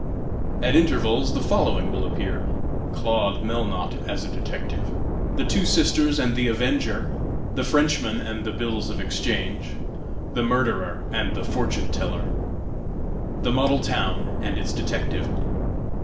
At intervals the following will appear: "CLAUDE MELNOTTE AS A DETECTIVE." "THE TWO SISTERS AND THE AVENGER." "THE FRENCHMAN AND THE BILLS OF EXCHANGE." "THE MURDERER AND THE FORTUNE TELLER." "THE MODEL TOWN AND ITS DETECTIVE."